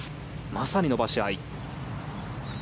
まさに伸ばし合い。